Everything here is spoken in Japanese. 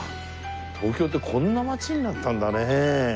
東京ってこんな街になったんだねえ。